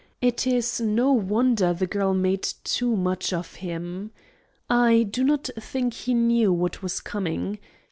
It is no wonder the girl made too much of him. I do not think he knew what was coming.